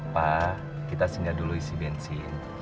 pak kita singgah dulu isi bensin